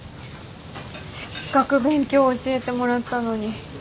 せっかく勉強教えてもらったのに。